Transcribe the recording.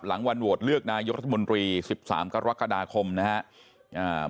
วันโหวตเลือกนายกรัฐมนตรี๑๓กรกฎาคมนะครับ